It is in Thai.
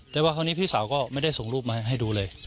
แต่ว่าคราวนี้พี่สาวก็ไม่ได้ส่งรูปมาให้ดูเลย